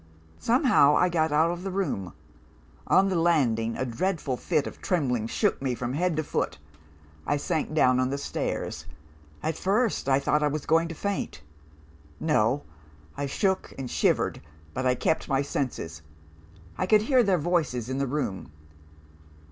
Somehow, I got out of the room. On the landing, a dreadful fit of trembling shook me from head to foot. I sank down on the stairs. At first, I thought I was going to faint. No; I shook and shivered, but I kept my senses. I could hear their voices in the room.